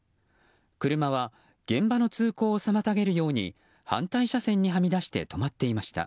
車は、現場の通行を妨げるように反対車線に、はみ出して止まっていました。